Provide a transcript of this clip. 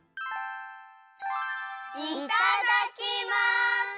いただきます！